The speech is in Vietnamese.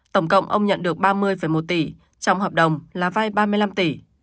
tổng cộng ông nhận được ba mươi một tỷ trong hợp đồng là vai ba mươi năm tỷ